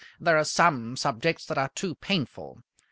There are some subjects that are too painful.